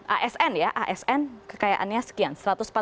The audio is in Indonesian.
asn ya asn kekayaannya sekian